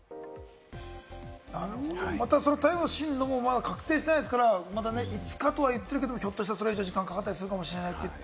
台風の進路もまだ確定してないですから、５日とは言ってるけれどもそれ以上、時間がかかったりするかもしれない。